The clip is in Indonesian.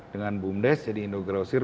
dengan bumd jadi indogrosir